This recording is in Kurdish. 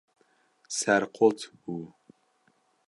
Serqot bû.